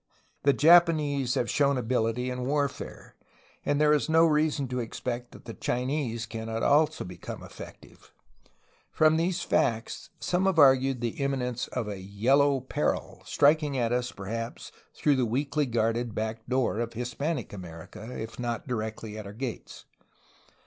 The Japanese have shown ability in warfare, and there is no reason to expect that the Chinese cannot also become effective. From these facts some have argued the imminence of a ' 'Yellow Peril, '^ striking at us, perhaps, through the weakly guarded back door of Hispanic America, if not directly at our gates.